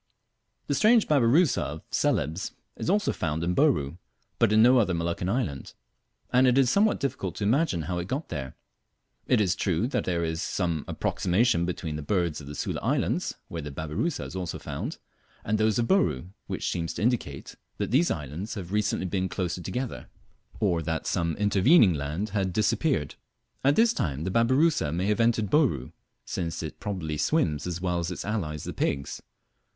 The strange babirusa of Celebes is also found in Bouru; but in no other Moluccan island, and it is somewhat difficult to imagine how it got there. It is true that there is some approximation between the birds of the Sula Islands (where the babirusa is also found) and those of Bouru, which seems to indicate that these islands have recently been closer together, or that some intervening land has disappeared. At this time the babirusa may have entered Bouru, since it probably swims as well as its allies the pigs.